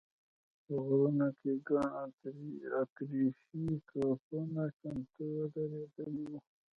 په غرونو کې ګڼ اتریشي توپونه چمتو ودرېدلي و.